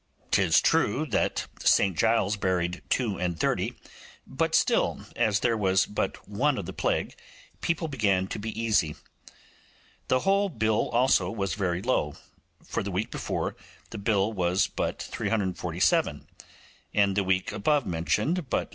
'Tis true St Giles's buried two and thirty, but still, as there was but one of the plague, people began to be easy. The whole bill also was very low, for the week before the bill was but 347, and the week above mentioned but 343.